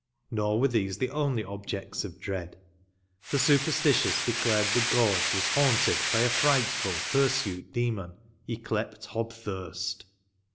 Nor were those the only objects of dread. The superstitions declared the gorge was haunted by a frightful, hirsute demon, yclept Hobthnrst.